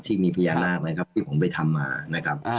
ที่มีพญานาคนะครับที่ผมไปทำมานะครับ